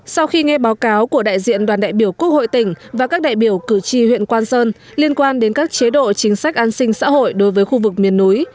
sau khi nghe báo cáo của đại diện đoàn đại biểu quốc hội tỉnh và các đại biểu cử tri huyện quan sơn liên quan đến các chế độ chính sách an sinh xã hội đối với khu vực miền núi